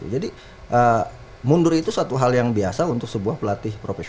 jadi mundur itu satu hal yang biasa untuk sebuah pelatih propernya